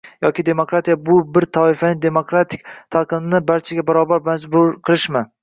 Yoki demokratiya bu bir toifaning demokratiya talqinini barchaga barobar majbur qilishmi?